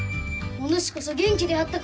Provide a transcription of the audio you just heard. おぬしこそ元気であったか。